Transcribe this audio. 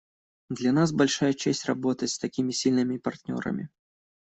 Для нас большая честь работать с такими сильными партнерами.